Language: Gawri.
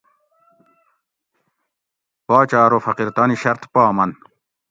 باچہ ارو فقیر تانی شرط پا من